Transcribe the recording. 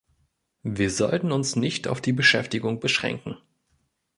Wir sollten uns nicht auf die Beschäftigung beschränken.